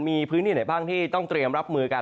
มีพื้นที่ไหนบ้างที่ต้องเตรียมรับมือกัน